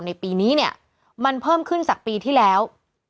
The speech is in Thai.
ในปีนี้เนี่ยมันเพิ่มขึ้นจากปีที่แล้ว